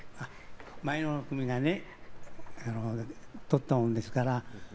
前の組がねとったものですから。